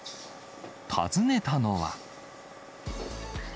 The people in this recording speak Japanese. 訪ねたのは。